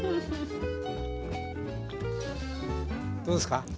どうですか？